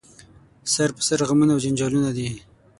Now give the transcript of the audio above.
سر په سر غمونه او جنجالونه دي